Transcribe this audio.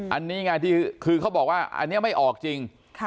อันนี้ไงที่คือเขาบอกว่าอันนี้ไม่ออกจริง